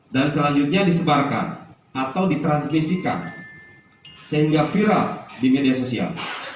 dan selanjutnya disebarkan atau di transmisikan sehingga viral di media sosial